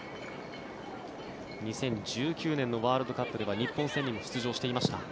２０１９年のワールドカップでは日本戦にも出場していました。